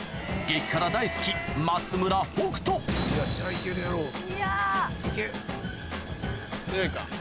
激辛大好き松村北斗強いか？